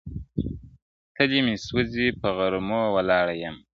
تلي مي سوځي په غرمو ولاړه یمه!.